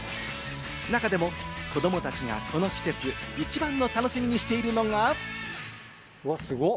中でも、子供たちがこの季節、一番の楽しみにしているのが。